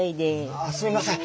あすみません。